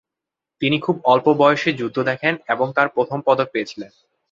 তিনি খুব অল্প বয়সেই যুদ্ধ দেখেন এবং তার প্রথম পদক পেয়েছিলেন।